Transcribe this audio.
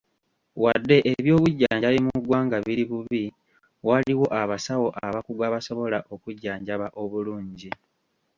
Wadde eby'obujjanjabi mu ggwanga biri bubi, waliwo abasawo abakugu abasobola okujjanjaba obulungi.